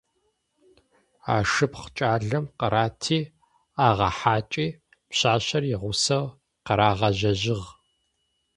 Ашыпхъу кӏалэм къырати, агъэхьакӏи, пшъашъэр игъусэу къырагъэжьэжьыгъ.